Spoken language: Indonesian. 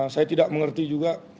saya tidak mengerti juga